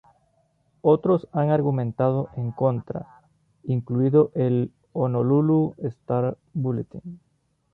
Otros han argumentado en contra, incluido el "Honolulu Star-Bulletin".